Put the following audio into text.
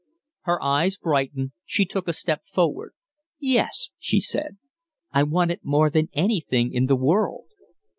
Her eyes brightened; she took a step forward. "Yes," she said, "I want it more than anything in the world."